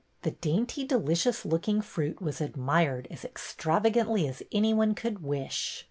The dainty, delicious looking fruit was admired as extravagantly as any one could wish.